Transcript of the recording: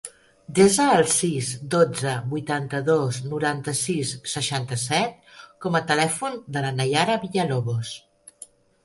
Desa el sis, dotze, vuitanta-dos, noranta-sis, seixanta-set com a telèfon de la Naiara Villalobos.